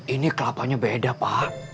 ini kelapanya beda pak